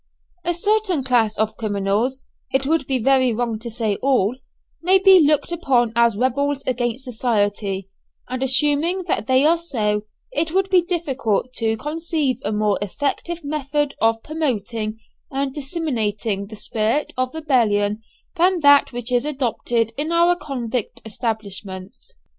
A certain class of criminals it would be very wrong to say all may be looked upon as rebels against society, and assuming that they are so, it would be difficult to conceive a more effective method of promoting and disseminating the spirit of rebellion than that which is adopted in our convict establishments.